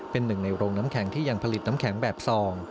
เป็นหนึ่งในโรงน้ำแข็งที่ยังผลิตน้ำแข็งแบบซอง